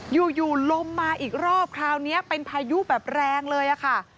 อยู่ลมมาอีกรอบคราวนี้เป็นพายุแบบแรงเลยค่ะ